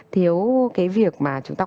thiếu cái việc mà chúng ta